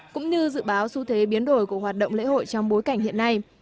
cũng như dự báo xu thế biến đổi của hoạt động lễ hội trong bối cảnh hiện nay